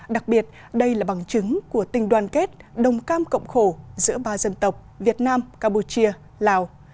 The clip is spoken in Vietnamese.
đặc biệt đây là bằng chứng của tình đoàn kết đồng cam cộng khổ giữa ba dân tộc việt nam campuchia lào